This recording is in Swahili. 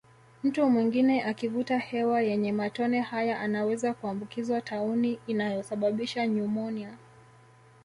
Mtu mwingine akivuta hewa yenye matone haya anaweza kuambukizwa tauni inayosababisha nyumonia